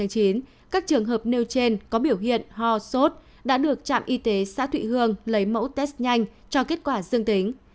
đến một mươi chín h của huyện trường mỹ các trường hợp nêu trên có biểu hiện ho sốt đã được trạm y tế xã thụy hương lấy mẫu test nhanh cho kết quả dương tính